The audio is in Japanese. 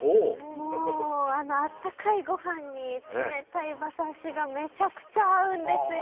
あのあったかいご飯に冷たい馬刺しがめちゃくちゃ合うんですよ！